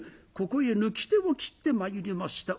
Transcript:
ここへ抜き手を切ってまいりました